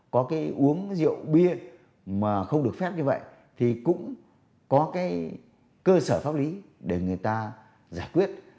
có cái uống rượu bia mà không được phép như vậy thì cũng có cái cơ sở pháp lý để người ta giải quyết